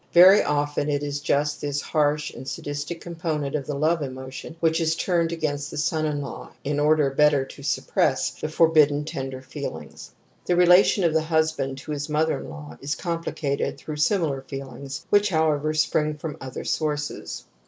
Very often it is just thi/^harsh ' and sadistic component of the love emotion which is turned against the son in law in order y better to suppress the forbidden tender feelings. The relation of the husband to his mother in law is complicated through similar feelings which, however, spring from other sources.